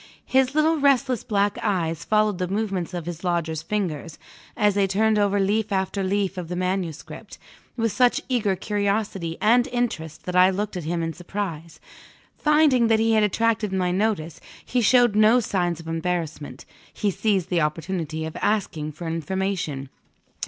His little restless black eyes followed the movements of his lodger's fingers, as they turned over leaf after leaf of the manuscript, with such eager curiosity and interest that I looked at him in surprise. Finding that he had attracted my notice, he showed no signs of embarrassment he seized the opportunity of asking for information.